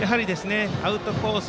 アウトコース